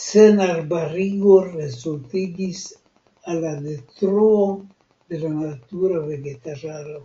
Senarbarigo resultigis al la detruo de la natura vegetaĵaro.